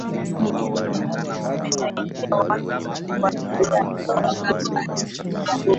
na imesaidia watu wa kiasili katika historia